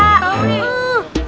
kan udah awal yang bilang